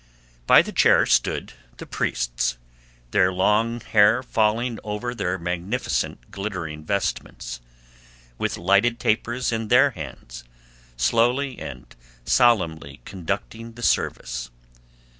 By the chair stood the priests, their long hair falling over their magnificent glittering vestments, with lighted tapers in their hands, slowly and solemnly conducting the service.